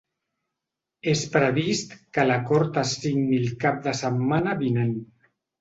És previst que l’acord es signi el cap de setmana vinent.